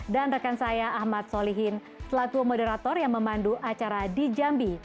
rekan saya ahmad solihin selaku moderator yang memandu acara di jambi